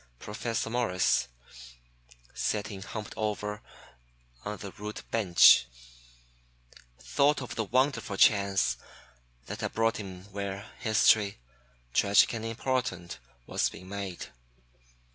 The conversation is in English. Professor Morris, sitting humped over on the rude bench, thought of the wonderful chance that had brought him where history, tragic and important, was being made.